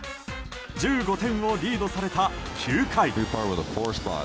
１５点をリードされた９回。